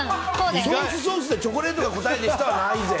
ソース、ソースでチョコレートが答えはないぜ。